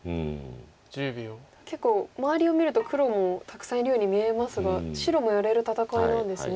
結構周りを見ると黒もたくさんいるように見えますが白もやれる戦いなんですね。